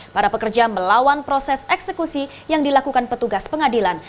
para pekerja melawan proses eksekusi yang dilakukan petugas pengadilan